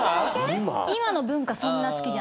今の文化そんな好きじゃない。